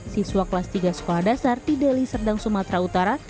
siswa kelas tiga sekolah dasar di deli serdang sumatera utara